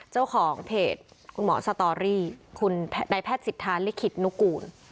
เจ้าของเพจคุณหมอสตอรี่คุณนายแพทย์สิทธาลิขิตนุกูล